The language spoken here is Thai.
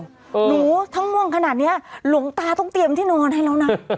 หนูถ้าง่วงขนาดนี้หลวงตาต้องเตรียมที่นอนให้แล้วนะ